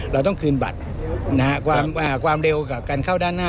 เราต้องคืนบัตรนะฮะความเร็วกับการเข้าด้านหน้า